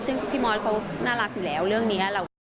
ซึ่งพี่มอสเขาน่ารักอยู่แล้วเรื่องนี้เราก็